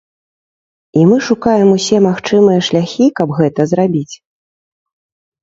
І мы шукаем усе магчымыя шляхі, каб гэта зрабіць.